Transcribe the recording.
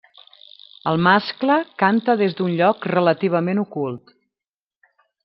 El mascle canta des d'un lloc relativament ocult.